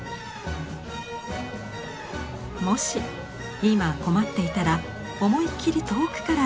もし今困っていたら思いっ切り遠くから眺めてみたら？